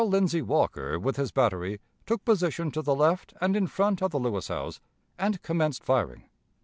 Lindsey Walker, with his battery, took position to the left and in front of the Lewis house and commenced firing.